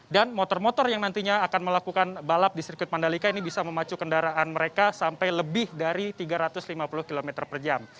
dan motor motor yang nantinya akan melakukan balap di sirkuit mandalika ini bisa memacu kendaraan mereka sampai lebih dari tiga ratus lima puluh km per jam